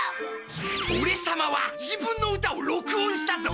オレ様は自分の歌を録音したぞ！